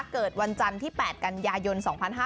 เกิดวันจันทร์ที่๘กันยายน๒๕๕๙